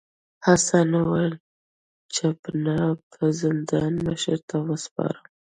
حسن وویل چپنه به زندان مشر ته وسپارم.